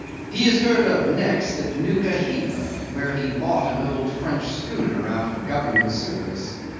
He is heard of next at Nuka Hiva, where he bought an old French schooner out of Government service.